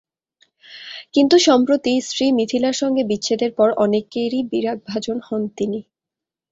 কিন্তু সম্প্রতি স্ত্রী মিথিলার সঙ্গে বিচ্ছেদের পর অনেকেরই বিরাগভাজন হন তিনি।